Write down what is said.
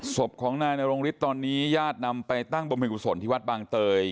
ศพของนายนรงฤทธิ์ตอนนี้ญาตินำไปตั้งบำเพ็ญกุศลที่วัดบางเตย